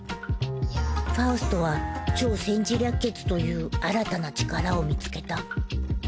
ファウストは『超・占事略決』という新たな力を見つけた。